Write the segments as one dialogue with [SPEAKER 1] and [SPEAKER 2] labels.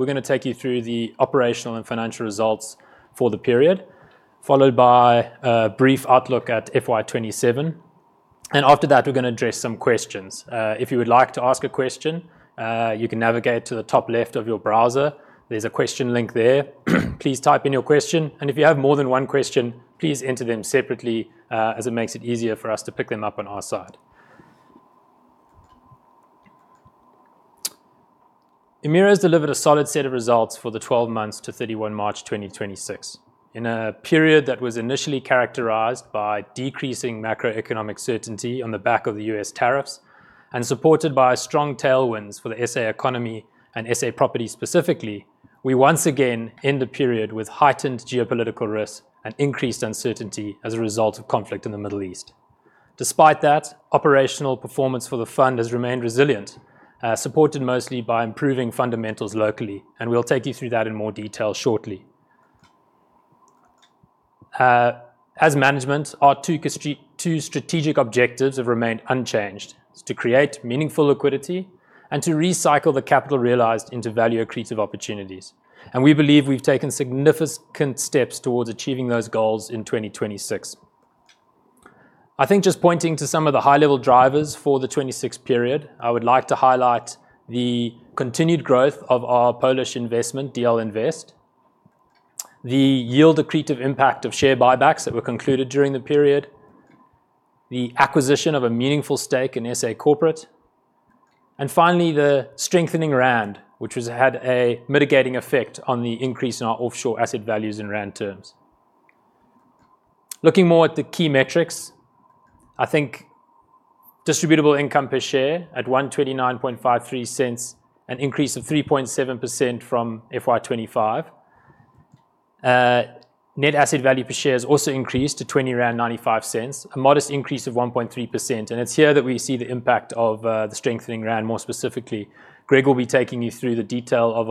[SPEAKER 1] We're going to take you through the operational and financial results for the period, followed by a brief outlook at FY 2027. After that, we're going to address some questions. If you would like to ask a question, you can navigate to the top left of your browser. There's a question link there. Please type in your question. If you have more than one question, please enter them separately, as it makes it easier for us to pick them up on our side. Emira's delivered a solid set of results for the 12 months to 31 March 2026. In a period that was initially characterized by decreasing macroeconomic certainty on the back of the U.S. tariffs and supported by strong tailwinds for the SA economy and SA property specifically, we once again end the period with heightened geopolitical risks and increased uncertainty as a result of conflict in the Middle East. Despite that, operational performance for the Fund has remained resilient, supported mostly by improving fundamentals locally. We'll take you through that in more detail shortly. As management, our two strategic objectives have remained unchanged. It's to create meaningful liquidity and to recycle the capital realized into value-accretive opportunities. We believe we've taken significant steps towards achieving those goals in 2026. I think just pointing to some of the high-level drivers for the 2026 period, I would like to highlight the continued growth of our Polish investment DL Invest, the yield accretive impact of share buybacks that were concluded during the period, the acquisition of a meaningful stake in SA Corporate, and finally, the strengthening ZAR, which has had a mitigating effect on the increase in our offshore asset values in ZAR terms. Looking more at the key metrics, I think Distributable Income Per Share at 1.2953, an increase of 3.7% from FY 2025. Net Asset Value Per Share has also increased to 20.95 rand, a modest increase of 1.3%, and it's here that we see the impact of the strengthening ZAR, more specifically. Greg will be taking you through the detail of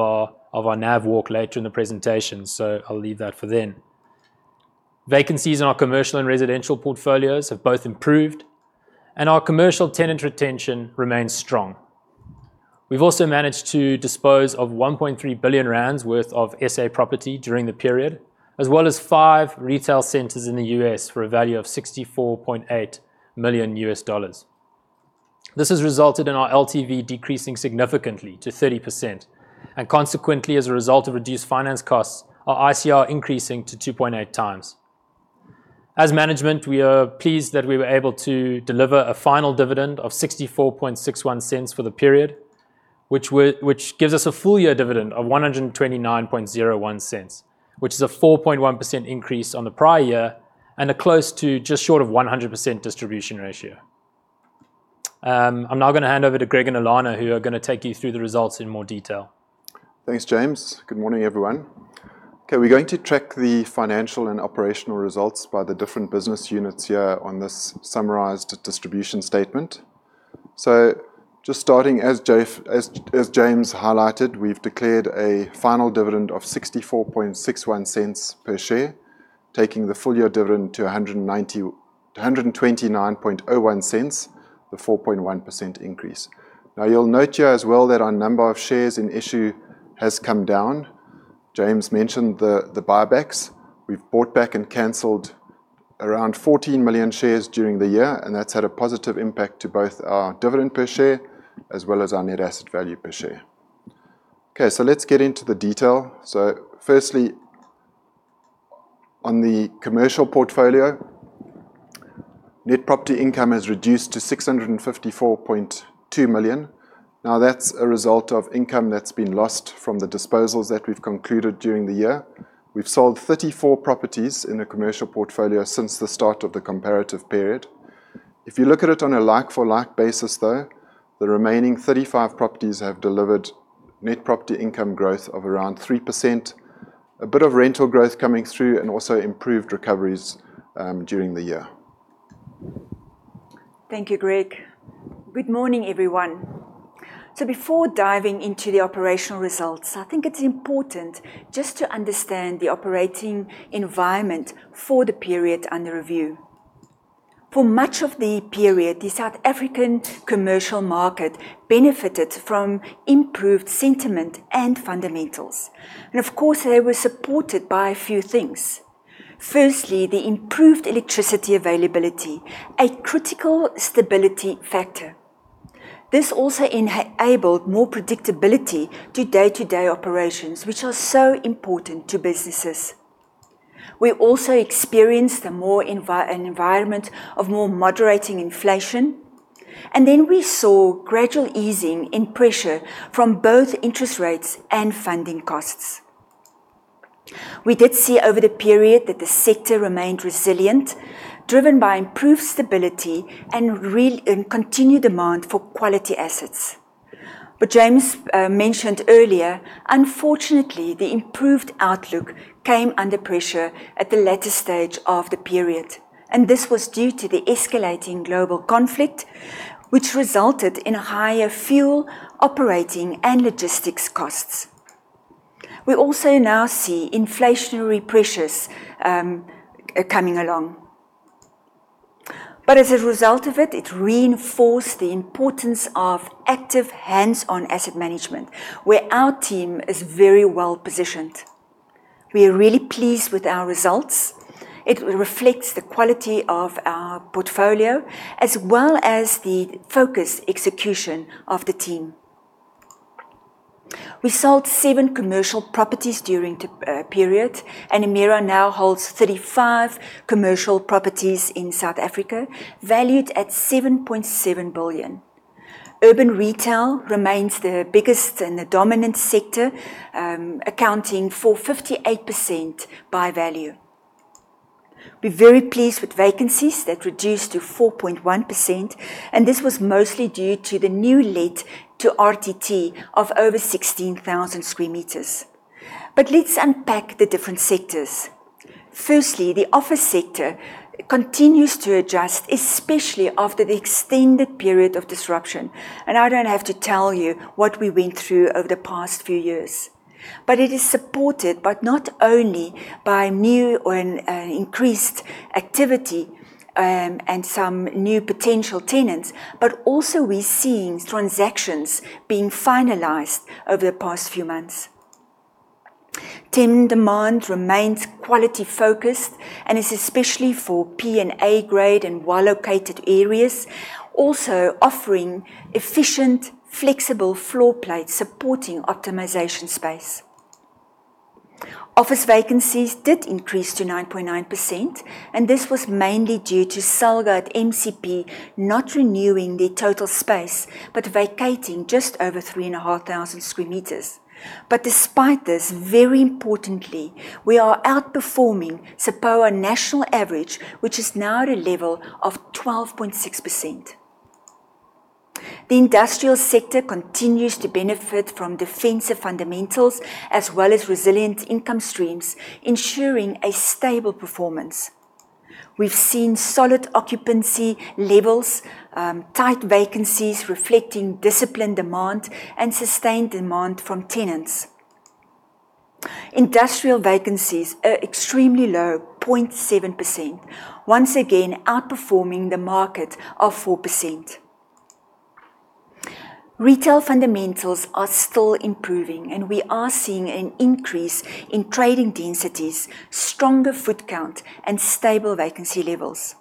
[SPEAKER 1] our NAV walk later in the presentation, so I'll leave that for then. Vacancies in our commercial and residential portfolios have both improved, and our commercial tenant retention remains strong. We've also managed to dispose of 1.3 billion rand worth of SA property during the period, as well as five retail centers in the U.S. for a value of $64.8 million. This has resulted in our LTV decreasing significantly to 30% and consequently, as a result of reduced finance costs, our ICR increasing to 2.8 times. As management, we are pleased that we were able to deliver a final dividend of 0.6461 for the period, which gives us a full year dividend of 1.2901, which is a 4.1% increase on the prior year and a close to just short of 100% distribution ratio. I'm now going to hand over to Greg and Ulana, who are going to take you through the results in more detail.
[SPEAKER 2] Thanks, James. Good morning, everyone. We're going to track the financial and operational results by the different business units here on this summarized distribution statement. Just starting as James highlighted, we've declared a final dividend of 0.6461 per share, taking the full year dividend to 1.2901, the 4.1% increase. You'll note here as well that our number of shares in issue has come down. James mentioned the buybacks. We've bought back and canceled around 14 million shares during the year, and that's had a positive impact to both our dividend per share as well as our net asset value per share. Let's get into the detail. Firstly, on the commercial portfolio, net property income has reduced to 654.2 million. That's a result of income that's been lost from the disposals that we've concluded during the year. We've sold 34 properties in the commercial portfolio since the start of the comparative period. If you look at it on a like-for-like basis, though, the remaining 35 properties have delivered net property income growth of around 3%. A bit of rental growth coming through and also improved recoveries during the year.
[SPEAKER 3] Thank you, Greg. Good morning, everyone. Before diving into the operational results, I think it's important just to understand the operating environment for the period under review. For much of the period, the South African commercial market benefited from improved sentiment and fundamentals, and of course, they were supported by a few things. Firstly, the improved electricity availability, a critical stability factor. This also enabled more predictability to day-to-day operations, which are so important to businesses. We also experienced an environment of more moderating inflation, and then we saw gradual easing in pressure from both interest rates and funding costs. We did see over the period that the sector remained resilient, driven by improved stability and continued demand for quality assets. James mentioned earlier, unfortunately, the improved outlook came under pressure at the latter stage of the period, and this was due to the escalating global conflict, which resulted in higher fuel, operating, and logistics costs. We also now see inflationary pressures coming along. As a result of it reinforced the importance of active hands-on asset management, where our team is very well positioned. We are really pleased with our results. It reflects the quality of our portfolio as well as the focus execution of the team. We sold seven commercial properties during the period, and Emira now holds 35 commercial properties in South Africa, valued at 7.7 billion. Urban retail remains the biggest and the dominant sector, accounting for 58% by value. We are very pleased with vacancies that reduced to 4.1%, and this was mostly due to the new let to RTT of over 16,000 sq m. Let's unpack the different sectors. Firstly, the office sector continues to adjust, especially after the extended period of disruption, and I don't have to tell you what we went through over the past few years. It is supported, not only by new and increased activity, and some new potential tenants, but also we're seeing transactions being finalized over the past few months. Tenant demand remains quality focused and is especially for P- and A-grade in well-located areas, also offering efficient, flexible floor plate supporting optimization space. Office vacancies did increase to 9.9%, this was mainly due to Salga at MCP not renewing their total space, but vacating just over 3,500 sq m. Despite this, very importantly, we are outperforming the SAPOA national average, which is now at a level of 12.6%. The industrial sector continues to benefit from defensive fundamentals as well as resilient income streams, ensuring a stable performance. We've seen solid occupancy levels, tight vacancies reflecting disciplined demand, and sustained demand from tenants. Industrial vacancies are extremely low, 0.7%, once again outperforming the market of 4%. Retail fundamentals are still improving and we are seeing an increase in trading densities, stronger foot count, and stable vacancy levels.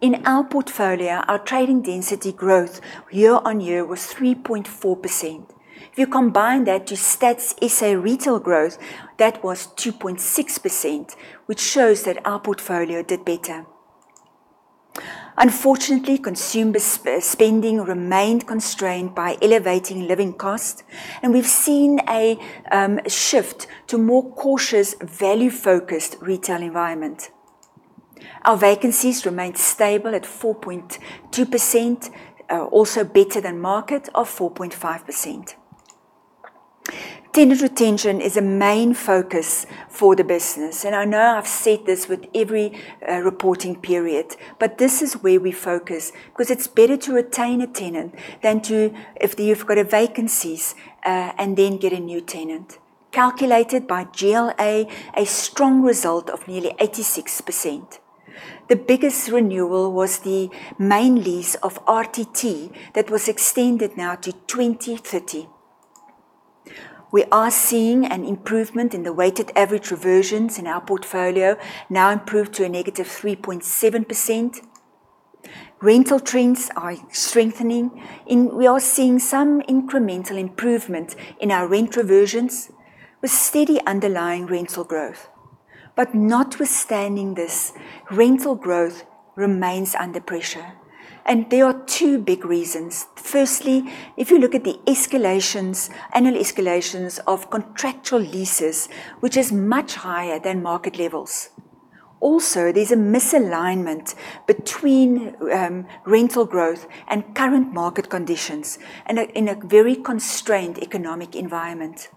[SPEAKER 3] In our portfolio, our trading density growth year-on-year was 3.4%. If you combine that to Stats SA retail growth, that was 2.6%, which shows that our portfolio did better. Unfortunately, consumer spending remained constrained by elevating living costs, and we've seen a shift to more cautious value-focused retail environment. Our vacancies remained stable at 4.2%, also better than market of 4.5%. Tenant retention is a main focus for the business, and I know I've said this with every reporting period, but this is where we focus, because it's better to retain a tenant than to, if you've got vacancies, and then get a new tenant. Calculated by GLA, a strong result of nearly 86%. The biggest renewal was the main lease of RTT that was extended now to 2030. We are seeing an improvement in the weighted average reversions in our portfolio, now improved to a negative 3.7%. Rental trends are strengthening, we are seeing some incremental improvement in our rent reversions with steady underlying rental growth. Notwithstanding this, rental growth remains under pressure. There are two big reasons. Firstly, if you look at the annual escalations of contractual leases, which is much higher than market levels. There's a misalignment between rental growth and current market conditions in a very constrained economic environment.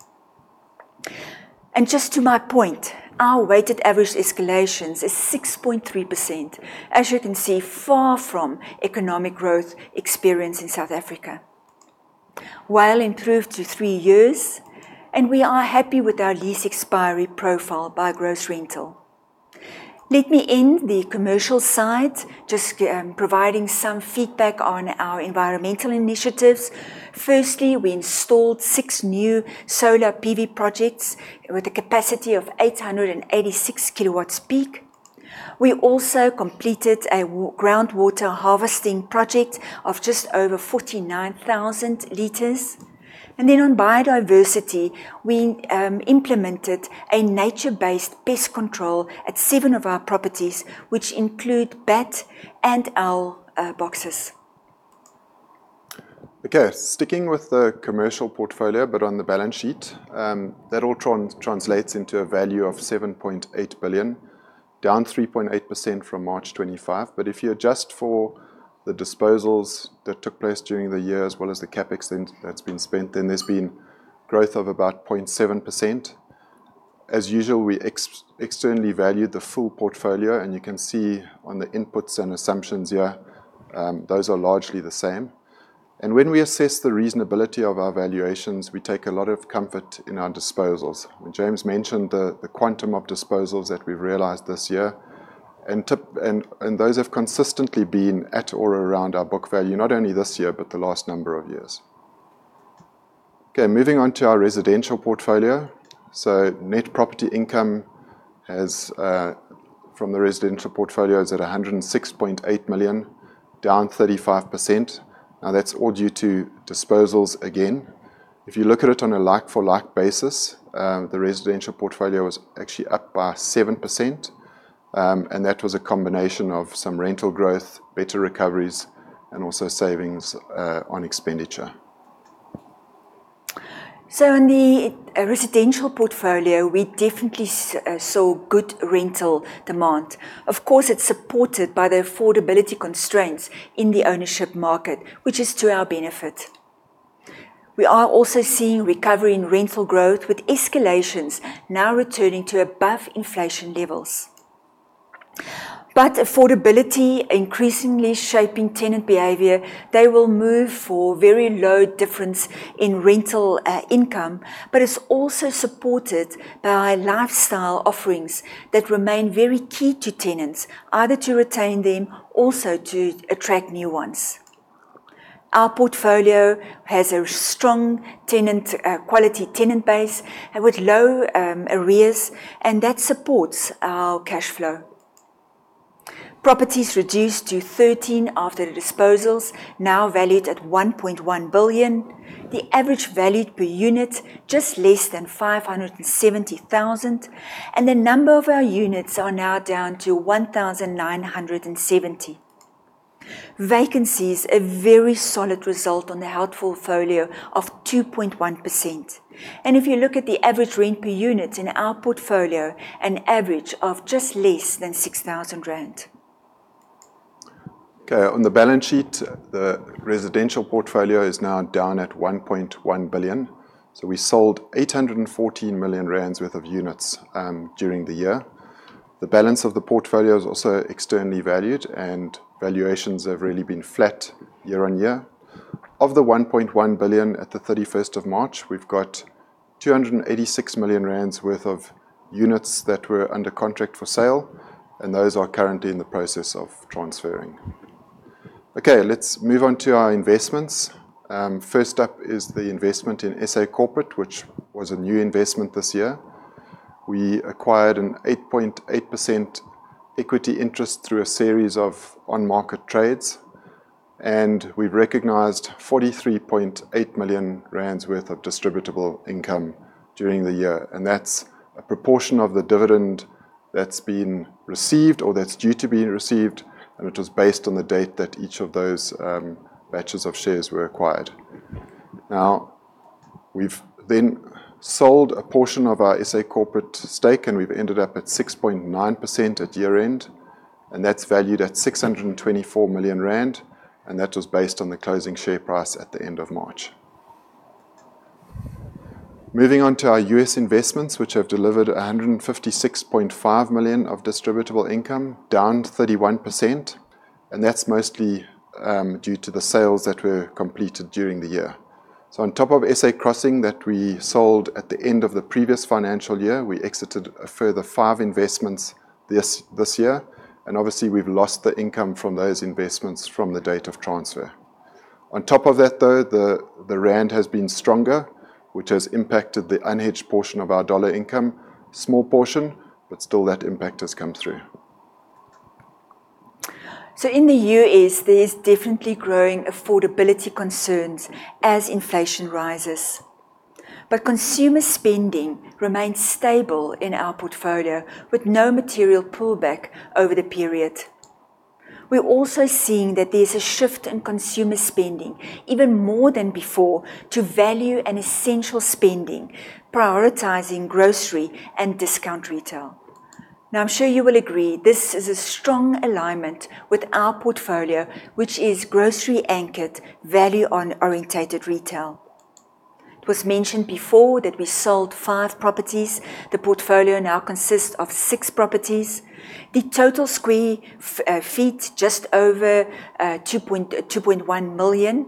[SPEAKER 3] Just to my point, our weighted average escalations is 6.3%, as you can see, far from economic growth experience in South Africa, WALE improved to three years, and we are happy with our lease expiry profile by gross rental. Let me end the commercial side just providing some feedback on our environmental initiatives. Firstly, we installed six new solar PV projects with a capacity of 886 kilowatts peak. We also completed a groundwater harvesting project of just over 49,000 liters. On biodiversity, we implemented a nature-based pest control at seven of our properties, which include bat and owl boxes.
[SPEAKER 2] Okay, sticking with the commercial portfolio, but on the balance sheet, that all translates into a value of 7.8 billion, down 3.8% from March 2025. If you adjust for the disposals that took place during the year as well as the CapEx that's been spent, then there's been growth of about 0.7%. As usual, we externally valued the full portfolio, and you can see on the inputs and assumptions here, those are largely the same. When we assess the reasonability of our valuations, we take a lot of comfort in our disposals. James mentioned the quantum of disposals that we've realized this year, and those have consistently been at or around our book value, not only this year, but the last number of years. Okay, moving on to our residential portfolio. Net property income from the residential portfolio is at 106.8 million, down 35%. That's all due to disposals again. If you look at it on a like-for-like basis, the residential portfolio was actually up by 7%, and that was a combination of some rental growth, better recoveries, and also savings on expenditure.
[SPEAKER 3] In the residential portfolio, we definitely saw good rental demand. Of course, it is supported by the affordability constraints in the ownership market, which is to our benefit. We are also seeing recovery in rental growth with escalations now returning to above inflation levels. Affordability increasingly shaping tenant behavior, they will move for very low difference in rental income, but it is also supported by lifestyle offerings that remain very key to tenants, either to retain them, also to attract new ones. Our portfolio has a strong quality tenant base with low arrears, and that supports our cash flow. Properties reduced to 13 after the disposals, now valued at 1.1 billion. The average valued per unit, just less than 570,000, and the number of our units are now down to 1,970. Vacancies, a very solid result on the held portfolio of 2.1%. If you look at the average rent per unit in our portfolio, an average of just less than 6,000 rand.
[SPEAKER 2] On the balance sheet, the residential portfolio is now down at 1.1 billion. We sold 814 million rand worth of units during the year. The balance of the portfolio is also externally valued. Valuations have really been flat year on year. Of the 1.1 billion at the 31st of March, we've got 286 million rand worth of units that were under contract for sale. Those are currently in the process of transferring. Let's move on to our investments. First up is the investment in SA Corporate, which was a new investment this year. We acquired an 8.8% equity interest through a series of on-market trades. We recognized 43.8 million rand worth of distributable income during the year. That's a proportion of the dividend that's been received or that's due to be received, and it was based on the date that each of those batches of shares were acquired. We've then sold a portion of our SA Corporate stake, we've ended up at 6.9% at year-end, that's valued at 624 million rand, and that was based on the closing share price at the end of March. Moving on to our U.S. investments, which have delivered 156.5 million of distributable income, down 31%, that's mostly due to the sales that were completed during the year. On top of San Antonio Crossing that we sold at the end of the previous financial year, we exited a further five investments this year, obviously, we've lost the income from those investments from the date of transfer. On top of that, though, the rand has been stronger, which has impacted the unhedged portion of our dollar income. Small portion, but still that impact has come through.
[SPEAKER 3] In the U.S., there is definitely growing affordability concerns as inflation rises. Consumer spending remains stable in our portfolio, with no material pullback over the period. We're also seeing that there's a shift in consumer spending, even more than before, to value and essential spending, prioritizing grocery and discount retail. I'm sure you will agree this is a strong alignment with our portfolio, which is grocery anchored, value-orientated retail. It was mentioned before that we sold five properties. The portfolio now consists of six properties. The total sq ft just over 2.1 million.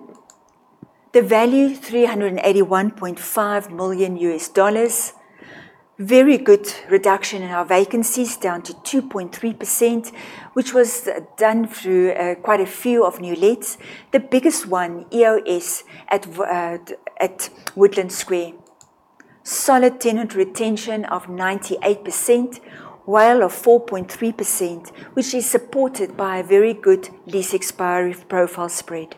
[SPEAKER 3] The value, $381.5 million. Very good reduction in our vacancies, down to 2.3%, which was done through quite a few of new lets. The biggest one, EoS at Woodlands Boulevard. Solid tenant retention of 98%, WALE 4.3%, which is supported by a very good lease expiry profile spread.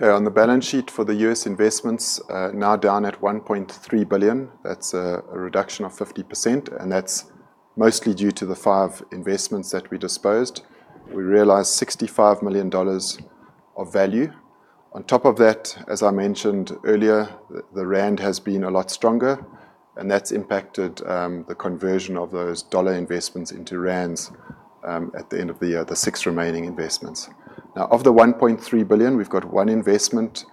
[SPEAKER 2] Okay, on the balance sheet for the U.S. investments, now down at 1.3 billion. That is a reduction of 50%, and that is mostly due to the five investments that we disposed. We realized 65 million dollars of value. On top of that, as I mentioned earlier, the rand has been a lot stronger, and that has impacted the conversion of those dollar investments into rands at the end of the year, the six remaining investments. Now, of the 1.3 billion, we have got one investment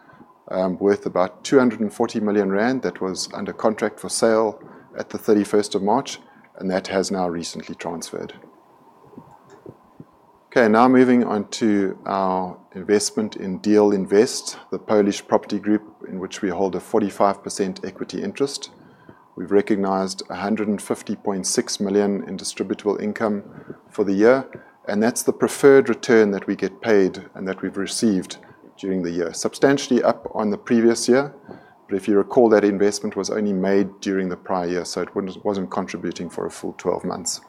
[SPEAKER 2] worth about 240 million rand that was under contract for sale at the 31st of March, and that has now recently transferred. Okay, now moving on to our investment in DL Invest Group, the Polish property group in which we hold a 45% equity interest. We've recognized 150.6 million in distributable income for the year, and that's the preferred return that we get paid and that we've received during the year, substantially up on the previous year. But if you recall, that investment was only made during the prior year, so it wasn't contributing for a full 12 months.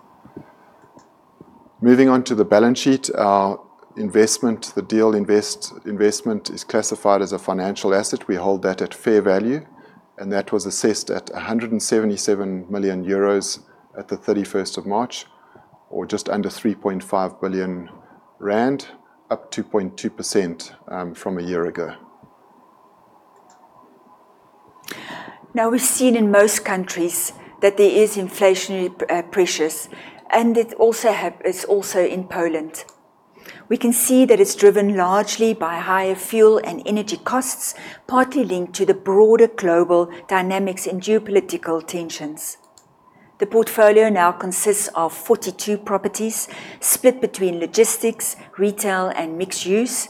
[SPEAKER 2] Moving on to the balance sheet. Our investment, the DL Invest investment, is classified as a financial asset. We hold that at fair value, and that was assessed at 177 million euros at the 31st of March, or just under 3.5 billion rand, up 2.2% from a year ago.
[SPEAKER 3] We've seen in most countries that there is inflationary pressures and it's also in Poland. We can see that it's driven largely by higher fuel and energy costs, partly linked to the broader global dynamics in geopolitical tensions. The portfolio now consists of 42 properties split between logistics, retail, and mixed use.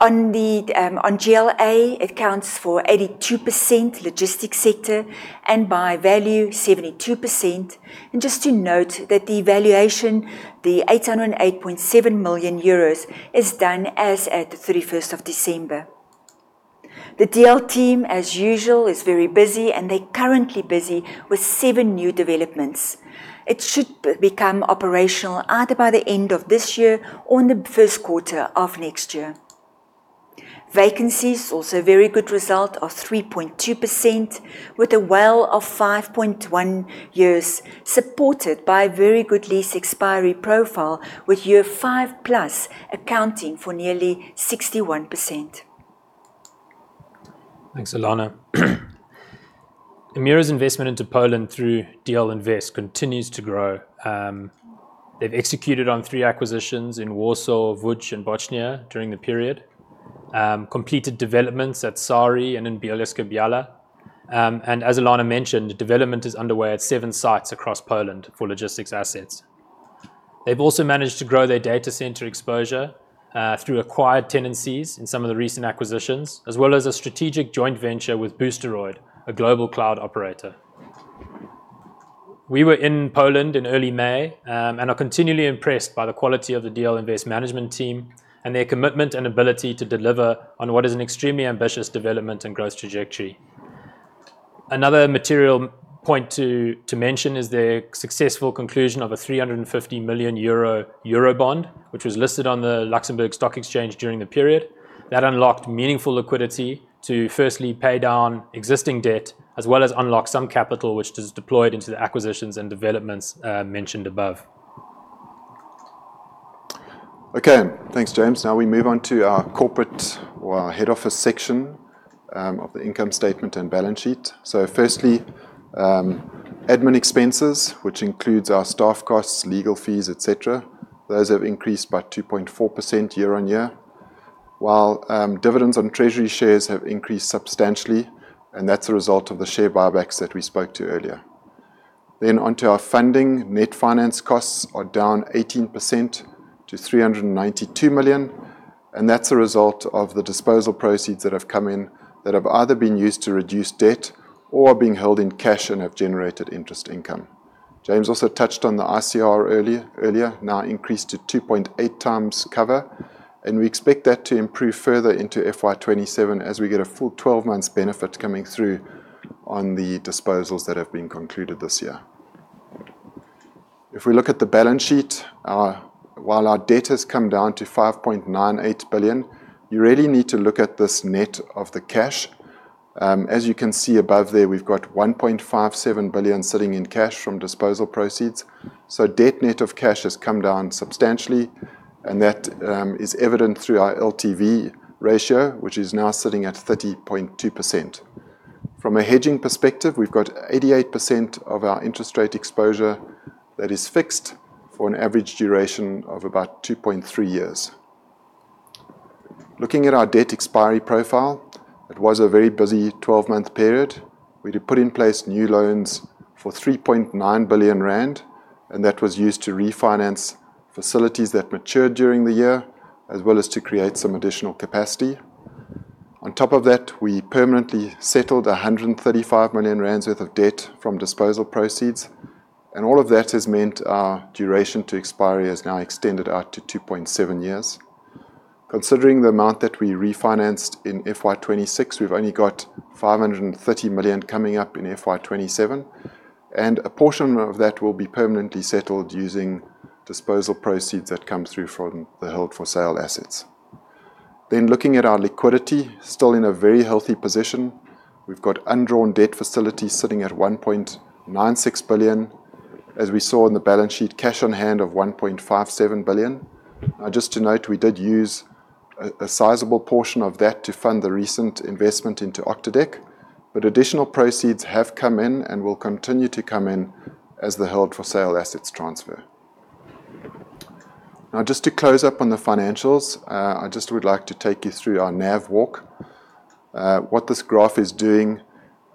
[SPEAKER 3] On GLA, it accounts for 82% logistics sector, and by value, 72%. Just to note that the valuation, the €808.7 million, is done as at the 31st of December. The DL team, as usual, is very busy, and they're currently busy with seven new developments. It should become operational either by the end of this year or in the first quarter of next year. Vacancies, also very good result of 3.2% with a WALE of 5.1 years, supported by very good lease expiry profile with year five plus accounting for nearly 61%.
[SPEAKER 1] Thanks, Ulana. Emira's investment into Poland through DL Invest Group continues to grow. They've executed on three acquisitions in Warsaw, Łódź, and Bochnia during the period, completed developments at Żory and in Bielsko-Biała. As Ulana mentioned, development is underway at seven sites across Poland for logistics assets. They've also managed to grow their data center exposure, through acquired tenancies in some of the recent acquisitions, as well as a strategic joint venture with Boosteroid, a global cloud operator. We were in Poland in early May, and are continually impressed by the quality of the DL Invest Group management team and their commitment and ability to deliver on what is an extremely ambitious development and growth trajectory. Another material point to mention is their successful conclusion of a 350 million euro Eurobond, which was listed on the Luxembourg Stock Exchange during the period. That unlocked meaningful liquidity to firstly pay down existing debt, as well as unlock some capital, which is deployed into the acquisitions and developments mentioned above.
[SPEAKER 2] Okay. Thanks, James. Now we move on to our corporate or our head office section of the income statement and balance sheet. Firstly, admin expenses, which includes our staff costs, legal fees, et cetera. Those have increased by 2.4% year-on-year. While dividends on treasury shares have increased substantially, and that's a result of the share buybacks that we spoke to earlier. On to our funding. Net finance costs are down 18% to 392 million, and that's a result of the disposal proceeds that have come in that have either been used to reduce debt or are being held in cash and have generated interest income. James also touched on the ICR earlier, now increased to 2.8x cover, and we expect that to improve further into FY 2027 as we get a full 12 months benefit coming through on the disposals that have been concluded this year. We look at the balance sheet, while our debt has come down to 5.98 billion, you really need to look at this net of the cash. As you can see above there, we've got 1.57 billion sitting in cash from disposal proceeds. Debt net of cash has come down substantially, and that is evident through our LTV ratio, which is now sitting at 30.2%. From a hedging perspective, we've got 88% of our interest rate exposure that is fixed for an average duration of about 2.3 years. Looking at our debt expiry profile, it was a very busy 12-month period. We had put in place new loans for 3.9 billion rand, that was used to refinance facilities that matured during the year, as well as to create some additional capacity. We permanently settled 135 million rand worth of debt from disposal proceeds, all of that has meant our duration to expiry has now extended out to 2.7 years. Considering the amount that we refinanced in FY 2026, we've only got 530 million coming up in FY 2027, a portion of that will be permanently settled using disposal proceeds that come through from the held for sale assets. Looking at our liquidity, still in a very healthy position. We've got undrawn debt facilities sitting at 1.96 billion. As we saw in the balance sheet, cash on hand of 1.57 billion. Just to note, we did use a sizable portion of that to fund the recent investment into Octodec, but additional proceeds have come in and will continue to come in as the held for sale assets transfer. Just to close up on the financials, I just would like to take you through our NAV walk. What this graph is doing,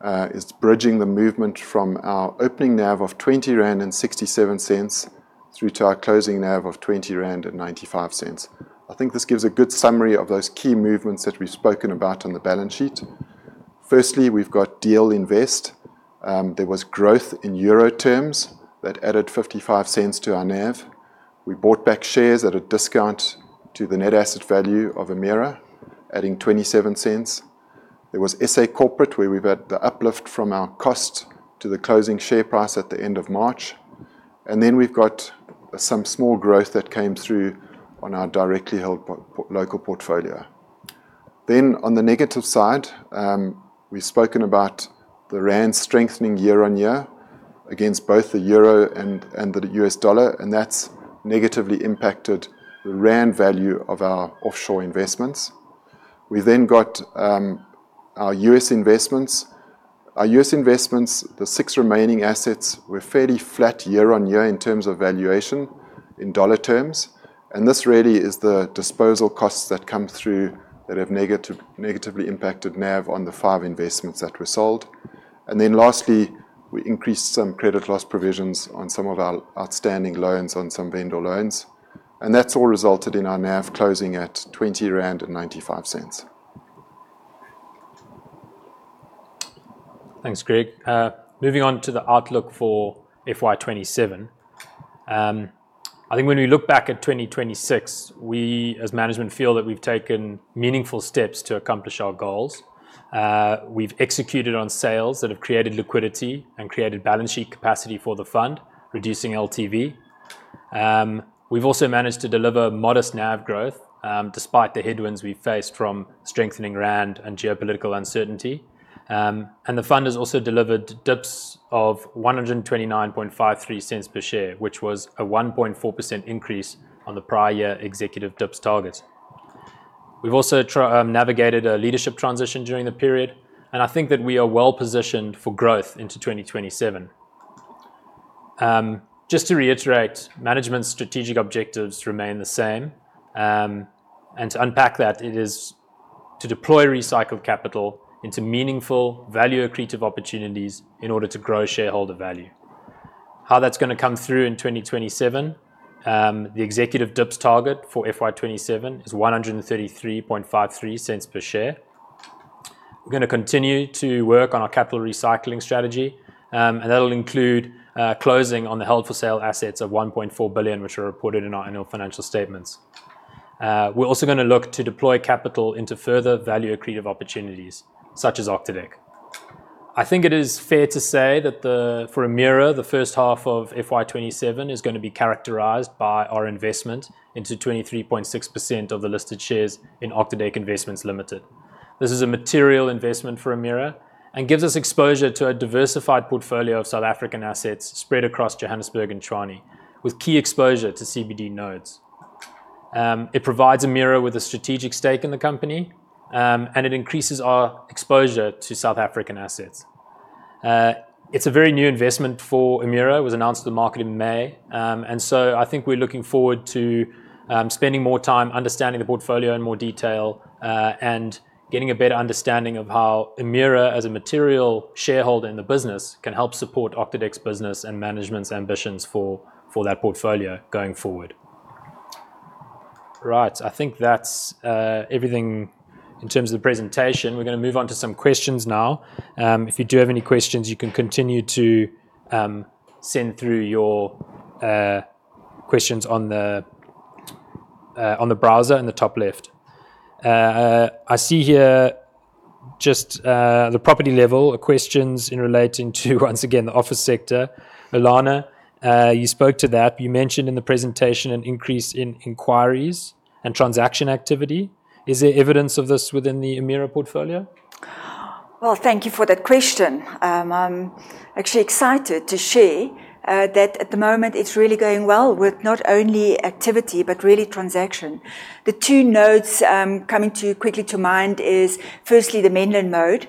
[SPEAKER 2] is bridging the movement from our opening NAV of 20.67 rand through to our closing NAV of 20.95 rand. I think this gives a good summary of those key movements that we've spoken about on the balance sheet. Firstly, we've got DL Invest. There was growth in EUR terms that added 0.55 to our NAV. We bought back shares at a discount to the net asset value of Emira, adding 0.27. There was SA Corporate, where we've had the uplift from our cost to the closing share price at the end of March. Then we've got some small growth that came through on our directly held local portfolio. Then on the negative side, we've spoken about the rand strengthening year on year against both the euro and the U.S. dollar, and that's negatively impacted the rand value of our offshore investments. We've then got our U.S. investments. Our U.S. investments, the six remaining assets, were fairly flat year on year in terms of valuation in dollar terms. This really is the disposal costs that come through that have negatively impacted NAV on the five investments that were sold. Lastly, we increased some credit loss provisions on some of our outstanding loans, on some vendor loans. That's all resulted in our NAV closing at 20.95 rand.
[SPEAKER 1] Thanks, Greg. Moving on to the outlook for FY 2027. I think when we look back at 2026, we, as management, feel that we've taken meaningful steps to accomplish our goals. We've executed on sales that have created liquidity and created balance sheet capacity for the fund, reducing LTV. We've also managed to deliver modest NAV growth, despite the headwinds we faced from strengthening rand and geopolitical uncertainty. The fund has also delivered DIPS of 1.2953 per share, which was a 1.4% increase on the prior year executive DIPS target. We've also navigated a leadership transition during the period, and I think that we are well-positioned for growth into 2027. Just to reiterate, management's strategic objectives remain the same. To unpack that, it is to deploy recycled capital into meaningful, value-accretive opportunities in order to grow shareholder value. How that's going to come through in 2027, the executive DIPS target for FY 2027 is 1.3353 per share. We're going to continue to work on our capital recycling strategy. That'll include closing on the held for sale assets of 1.4 billion, which are reported in our annual financial statements. We're also going to look to deploy capital into further value-accretive opportunities, such as Octodec. I think it is fair to say that for Emira, the first half of FY 2027 is going to be characterized by our investment into 23.6% of the listed shares in Octodec Investments Limited. This is a material investment for Emira and gives us exposure to a diversified portfolio of South African assets spread across Johannesburg and Tshwane, with key exposure to CBD nodes. It provides Emira with a strategic stake in the company, and it increases our exposure to South African assets. It's a very new investment for Emira. It was announced to the market in May. I think we're looking forward to spending more time understanding the portfolio in more detail, and getting a better understanding of how Emira, as a material shareholder in the business, can help support Octodec's business and management's ambitions for that portfolio going forward. Right. I think that's everything in terms of the presentation. We're going to move on to some questions now. If you do have any questions, you can continue to send through your questions on the browser in the top left. I see here just the property level of questions in relating to, once again, the office sector. Ulana, you spoke to that. You mentioned in the presentation an increase in inquiries and transaction activity. Is there evidence of this within the Emira portfolio?
[SPEAKER 3] Well, thank you for that question. I'm actually excited to share that at the moment it's really going well with not only activity but really transaction. The two nodes coming quickly to mind is firstly the Menlyn node.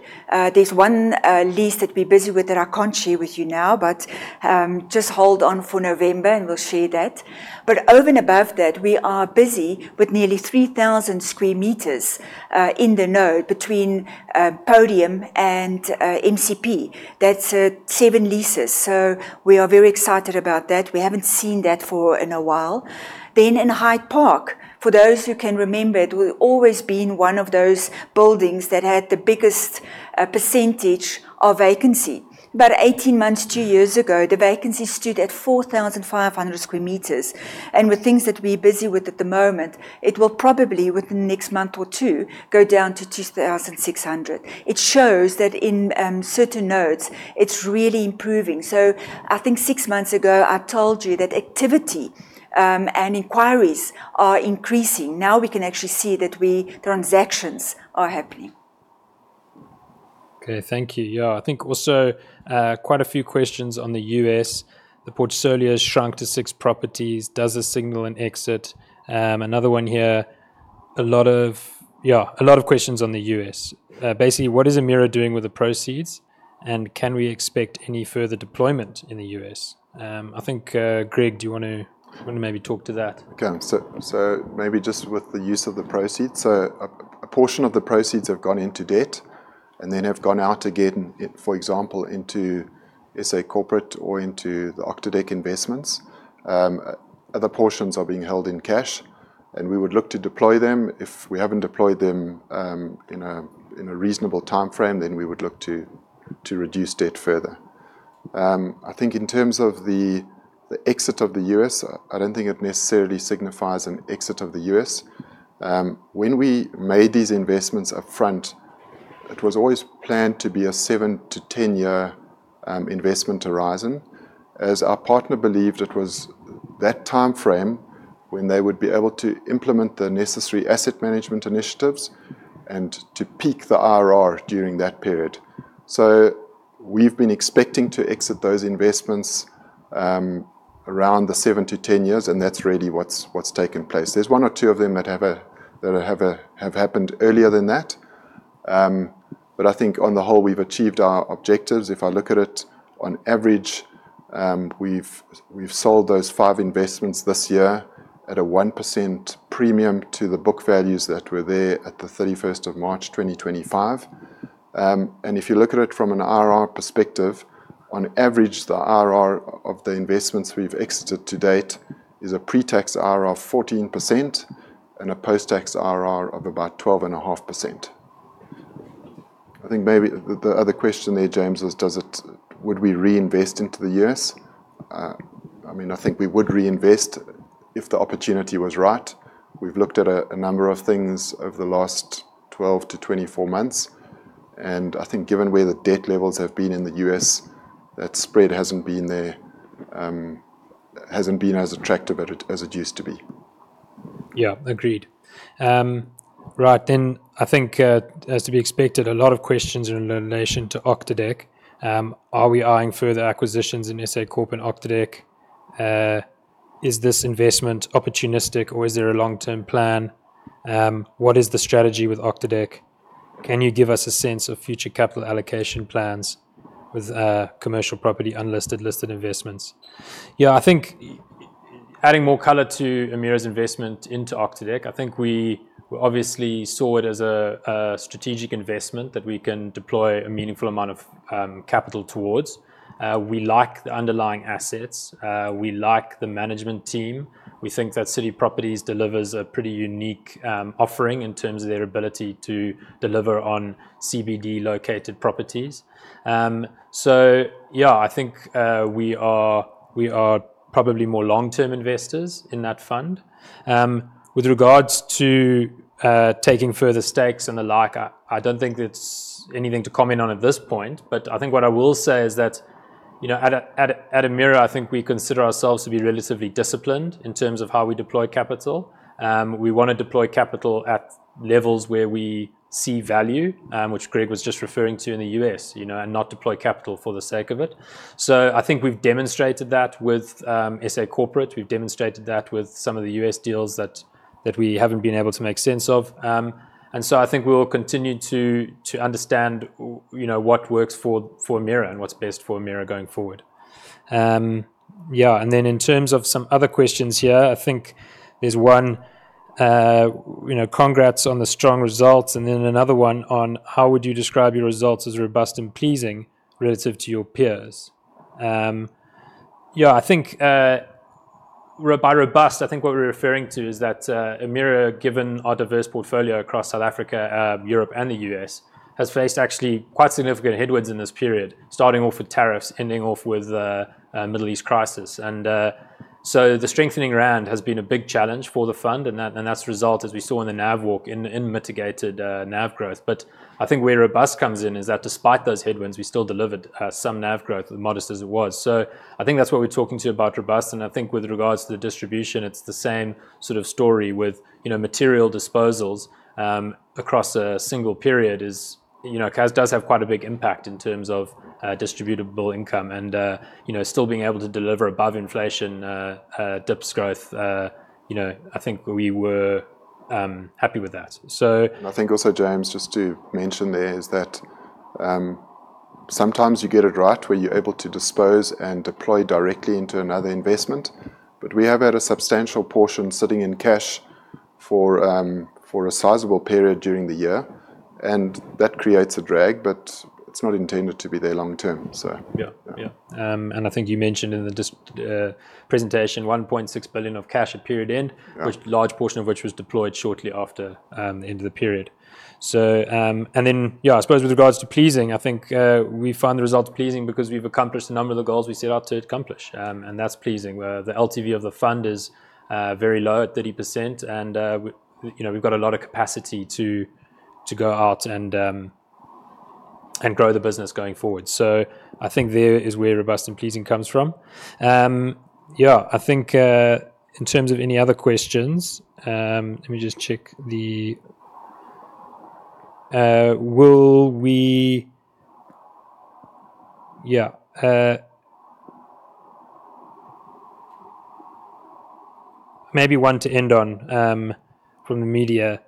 [SPEAKER 3] There's one lease that we're busy with that I can't share with you now, but just hold on for November and we'll share that. Over and above that, we are busy with nearly 3,000 sq m in the node between Podium and MCP. That's seven leases. We are very excited about that. We haven't seen that for in a while. In Hyde Park, for those who can remember, it will always been one of those buildings that had the biggest percentage of vacancy. About 18 months, two years ago, the vacancy stood at 4,500 sq m. With things that we're busy with at the moment, it will probably within the next month or two, go down to 2,600. It shows that in certain nodes, it is really improving. I think six months ago, I told you that activity and inquiries are increasing. Now we can actually see that transactions are happening.
[SPEAKER 1] Okay. Thank you. Yeah. I think also quite a few questions on the U.S. The portfolio has shrunk to six properties. Does this signal an exit? Another one here. A lot of questions on the U.S. Basically, what is Emira doing with the proceeds, and can we expect any further deployment in the U.S.? I think, Greg, do you want to maybe talk to that?
[SPEAKER 2] Okay. Maybe just with the use of the proceeds. A portion of the proceeds have gone into debt and then have gone out again, for example, into SA Corporate or into the Octodec investments. Other portions are being held in cash, and we would look to deploy them. If we haven't deployed them in a reasonable timeframe, then we would look to reduce debt further. I think in terms of the exit of the U.S., I don't think it necessarily signifies an exit of the U.S. When we made these investments upfront, it was always planned to be a 7-10 year investment horizon, as our partner believed it was that timeframe when they would be able to implement the necessary asset management initiatives and to peak the IRR during that period. We've been expecting to exit those investments around the 7-10 years, and that's really what's taken place. There's one or two of them that have happened earlier than that. I think on the whole, we've achieved our objectives. If I look at it, on average, we've sold those five investments this year at a 1% premium to the book values that were there at the 31st of March 2025. If you look at it from an IRR perspective, on average, the IRR of the investments we've exited to date is a pre-tax IRR of 14% and a post-tax IRR of about 12.5%. I think maybe the other question there, James, was would we reinvest into the U.S.? I think we would reinvest if the opportunity was right. We've looked at a number of things over the last 12-24 months. I think given where the debt levels have been in the U.S., that spread hasn't been as attractive as it used to be.
[SPEAKER 1] Yeah, agreed. Right. I think, as to be expected, a lot of questions in relation to Octodec. Are we eyeing further acquisitions in SA Corp and Octodec? Is this investment opportunistic, or is there a long-term plan? What is the strategy with Octodec? Can you give us a sense of future capital allocation plans with commercial property, unlisted, listed investments? I think adding more color to Emira's investment into Octodec, I think we obviously saw it as a strategic investment that we can deploy a meaningful amount of capital towards. We like the underlying assets. We like the management team. We think that City Property delivers a pretty unique offering in terms of their ability to deliver on CBD-located properties. Yeah, I think we are probably more long-term investors in that fund. With regards to taking further stakes and the like, I don't think it's anything to comment on at this point. I think what I will say is that at Emira, I think we consider ourselves to be relatively disciplined in terms of how we deploy capital. We want to deploy capital at levels where we see value, which Greg was just referring to in the U.S., and not deploy capital for the sake of it. I think we've demonstrated that with SA Corporate. We've demonstrated that with some of the U.S. deals that we haven't been able to make sense of. I think we will continue to understand what works for Emira and what's best for Emira going forward. In terms of some other questions here, I think there's one, congrats on the strong results, another one on how would you describe your results as robust and pleasing relative to your peers? By robust, I think what we're referring to is that Emira, given our diverse portfolio across South Africa, Europe, and the U.S., has faced actually quite significant headwinds in this period, starting off with tariffs, ending off with Middle East crisis. The strengthening rand has been a big challenge for the fund, and that's resulted, as we saw in the NAV walk, in mitigated NAV growth. I think where robust comes in is that despite those headwinds, we still delivered some NAV growth, modest as it was. I think that's what we're talking to about robust. I think with regards to the distribution, it's the same sort of story with material disposals across a single period does have quite a big impact in terms of distributable income and still being able to deliver above inflation DIPS growth. I think we were happy with that.
[SPEAKER 2] I think also, James, just to mention there is that sometimes you get it right where you're able to dispose and deploy directly into another investment. We have had a substantial portion sitting in cash for a sizable period during the year, and that creates a drag, but it's not intended to be there long term.
[SPEAKER 1] Yeah. I think you mentioned in the presentation 1.6 billion of cash at period end.
[SPEAKER 2] Yeah.
[SPEAKER 1] Large portion of which was deployed shortly after the end of the period. I suppose with regards to pleasing, I think we found the result pleasing because we've accomplished a number of the goals we set out to accomplish, and that's pleasing. The LTV of the fund is very low at 30%, and we've got a lot of capacity to go out and grow the business going forward. I think there is where robust and pleasing comes from. I think in terms of any other questions, let me just check. Maybe one to end on from the media,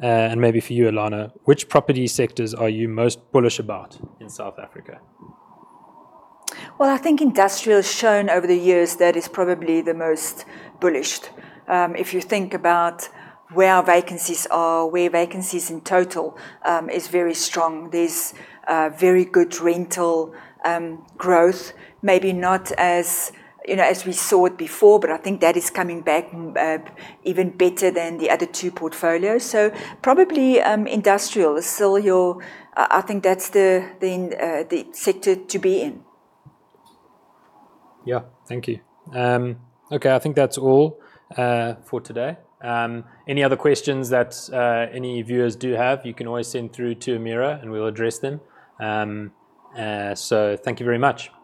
[SPEAKER 1] maybe for you, Ulana. Which property sectors are you most bullish about in South Africa?
[SPEAKER 3] Well, I think industrial has shown over the years that is probably the most bullish. If you think about where our vacancies are, where vacancies in total is very strong. There's very good rental growth, maybe not as we saw it before, but I think that is coming back even better than the other two portfolios. Probably industrial. I think that's the sector to be in.
[SPEAKER 1] Yeah. Thank you. Okay, I think that's all for today. Any other questions that any viewers do have, you can always send through to Emira and we'll address them. Thank you very much.